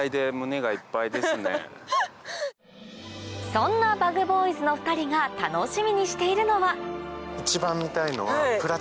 そんなＢｕｇＢｏｙｓの２人が楽しみにしているのはあ。